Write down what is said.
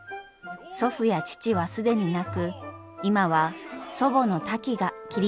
祖父や父は既になく今は祖母のタキが切り盛りしています。